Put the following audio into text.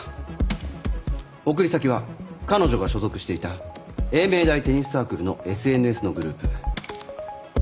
送り先は彼女が所属していた栄明大テニスサークルのＳＮＳのグループ。